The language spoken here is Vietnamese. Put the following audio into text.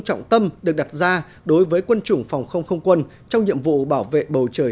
trọng tâm được đặt ra đối với quân chủng phòng không không quân trong nhiệm vụ bảo vệ bầu trời